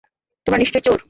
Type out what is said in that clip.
তোমরা নিশ্চয়ই চোর।